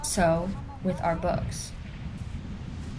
So, with our books.